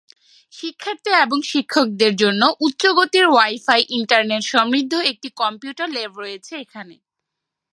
শিক্ষার্থী এবং শিক্ষকদের জন্য উচ্চ গতির ওয়াই ফাই ইন্টারনেট সমৃদ্ধ একটি কম্পিউটার ল্যাব রয়েছে এখানে।